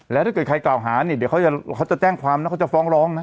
แล้วถ้าเกิดใครกล่าวหาเนี่ยเดี๋ยวเขาจะแจ้งความนะเขาจะฟ้องร้องนะ